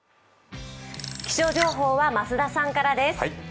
気象情報は増田さんからです。